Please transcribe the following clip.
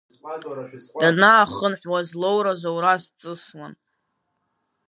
Данаахынҳәуаз лоура зоураз дҵысуан.